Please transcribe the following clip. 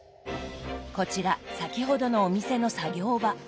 こちら先ほどのお店の作業場。